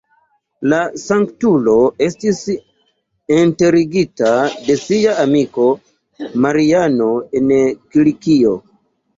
La sanktulo estis enterigita de sia amiko, Mariano, en Kilikio.